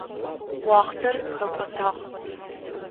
Уахътэр хэкӏотагъ.